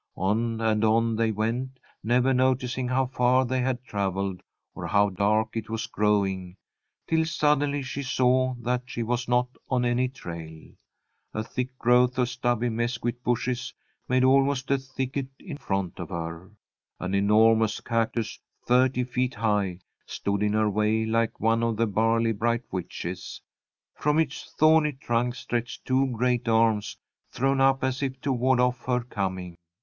On and on they went, never noticing how far they had travelled or how dark it was growing, till suddenly she saw that she was not on any trail. A thick growth of stubby mesquit bushes made almost a thicket in front of her. An enormous cactus, thirty feet high, stood in her way like one of the Barley bright witches. From its thorny trunk stretched two great arms, thrown up as if to ward off her coming.